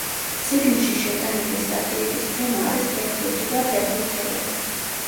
წიგნში შეტანილი სტატიების თემა არის ფეხბურთი და ფეხბურთელები.